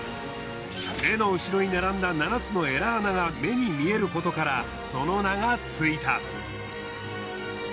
目の後ろに並んだ７つのエラ穴が目に見えることからその名がついた。